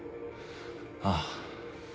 ああ。